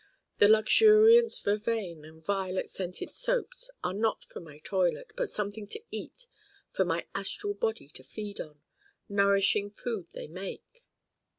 The luxuriant vervain and violet scented Soaps are not for my toilet, but something to eat, for my astral body to feed on nourishing food they make.